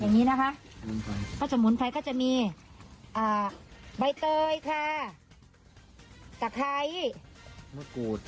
อย่างนี้นะคะเพราะสมุนไพรก็จะมีใบเตยค่ะตะไคร้มะกรูด